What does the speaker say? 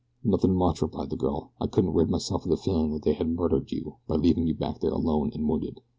"Nothing much," replied the girl. "I couldn't rid myself of the feeling that they had murdered you, by leaving you back there alone and wounded.